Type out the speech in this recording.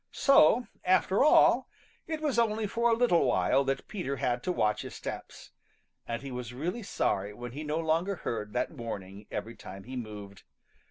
So after all, it was only for a little while that Peter had to watch his steps, and he was really sorry when he no longer heard that warning every time he moved.